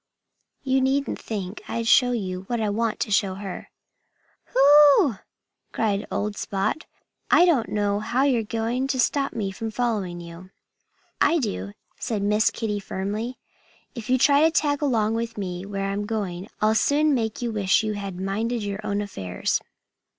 You needn't think I'd show you what I want her to see." "Ho!" cried old Spot. "I don't know how you're going to stop me from following you." "I do," said Miss Kitty firmly. "If you try to tag along after me where I'm going I'll soon make you wish you had minded your own affairs."